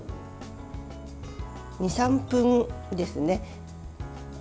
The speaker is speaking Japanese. ２３分ですね。